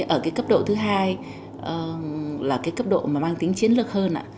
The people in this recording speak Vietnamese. ở cấp độ thứ hai là cấp độ mang tính chiến lược hơn